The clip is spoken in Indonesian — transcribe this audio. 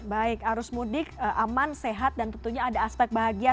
baik arus mudik aman sehat dan tentunya ada aspek bahagia